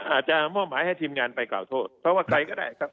อาจจะมอบหมายให้ทีมงานไปกล่าวโทษเพราะว่าใครก็ได้ครับ